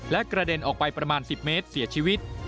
และกระเด็นออกไปประมาณ๑๐เมตรเสียชีวิต